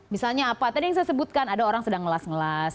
misalnya apa tadi yang saya sebutkan ada orang sedang ngelas ngelas